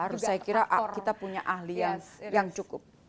harus saya kira kita punya ahli yang cukup